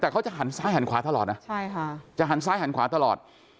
แต่เขาจะหันซ้ายหันขวาตลอดนะใช่ค่ะจะหันซ้ายหันขวาตลอด